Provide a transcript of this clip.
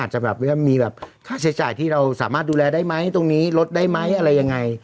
จะแบบว่ามีแบบค่าใช้จ่ายที่เราสามารถดูแลได้ไหมตรงนี้ลดได้ไหมอะไรยังไง